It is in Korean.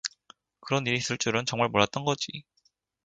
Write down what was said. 그런 일이 있을 줄은 정말 몰랐던거지.